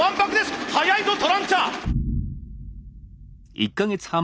速いぞトランチャー！